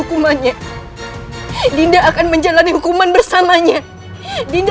ibu nda tidak bisa mempersempatkan kekuatan ibu nda